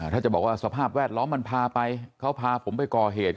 ถ้าจะบอกว่าสภาพแวดล้อมมันพาไปเขาพาผมไปก่อเหตุ